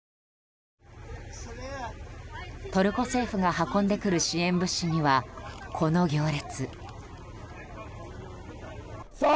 トルコ政府が運んでくる支援物資には、この行列。